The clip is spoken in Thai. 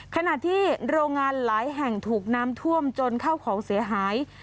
ขณะที่โรงงานหลายแห่งถูกน้ำท่วมจนเข้าของเสียหาย